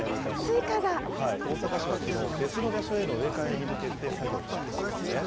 はい、大阪市はきのう、別の場所への植え替えに向けて作業を行ったんですね。